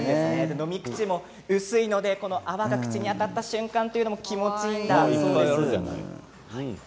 飲み口も薄いので泡が口に当たった瞬間というのも気持ちいいそうです。